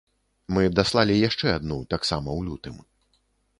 Мы даслалі яшчэ адну, таксама ў лютым.